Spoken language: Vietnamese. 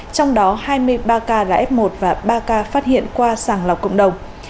trong đó hai mươi ba ca là f một và ba ca phát hiện qua sàng lọc cộng đồng